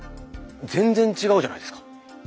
全然違うじゃないですか。